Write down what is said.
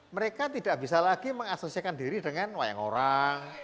mereka tidak bisa lagi mengasosiasikan diri dengan wayang orang